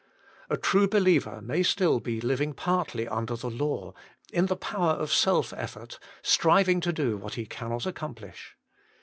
A true believer may still be living partly under the law, in the power of self effort, striving to do what he cannot accomplish.